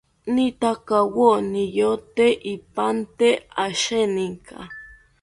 Nitakawo niyote ipante asheninka